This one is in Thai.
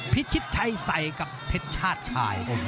พิชิตชัยใส่กับเพชรชาติชาย